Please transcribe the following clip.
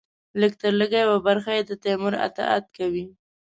لږترلږه یوه برخه یې د تیمور اطاعت کوي.